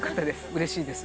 うれしいです。